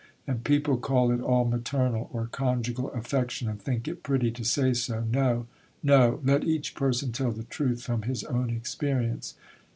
And people call it all maternal or conjugal affection, and think it pretty to say so. No, no, let each person tell the truth from his own experience.